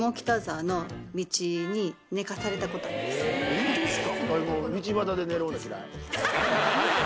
ホントですか？